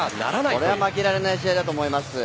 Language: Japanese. これは負けられない試合だと思います。